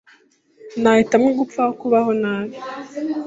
Nahitamo gupfa aho kubaho nabi. .